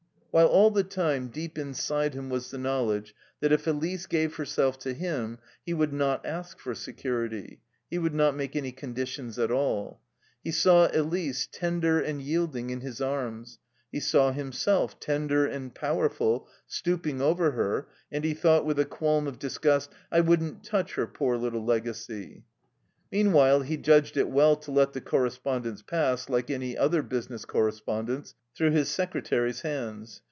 While, all the time, deep inside him was the knowledge that, if Elise gave herself to him, he would not ask for security he would not make any conditions at all. He saw Elise, tender and yielding, in his arms; he saw himself, tender and powerful, stooping over her, and he thought, with a qualm of disgust: "I wouldn't touch her poor little legacy." Meanwhile he judged it well to let the correspondence pass, like any other business correspondence, through his secretary's hands.